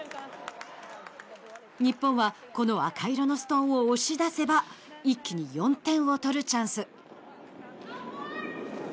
日本はこの赤色のストーンを押し出せば一気に４点を取るチャンス。